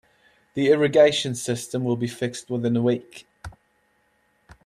The irrigation system will be fixed within a week.